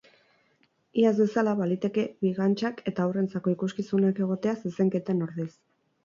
Iaz bezala, baliteke bigantxak eta haurrentzako ikuskizunak egotea zezenketen ordez.